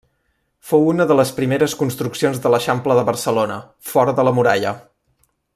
Fou una de les primeres construccions de l'Eixample de Barcelona, fora de la muralla.